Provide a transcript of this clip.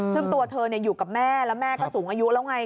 ซึ่งตัวเธออยู่กับแม่แล้วแม่ก็สูงอายุแล้วไง